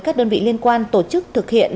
các đơn vị liên quan tổ chức thực hiện